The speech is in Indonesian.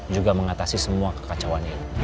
juga mengatasi semua kekacauan ini